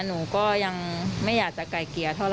หนูก็ยังไม่อยากจะไก่เกลี่ยเท่าไ